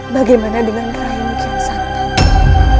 bagaimana dengan raya mugian santan